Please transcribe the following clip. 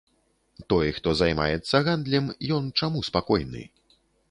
Той, хто займаецца гандлем, ён чаму спакойны?